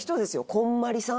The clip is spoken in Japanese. こんまりさん。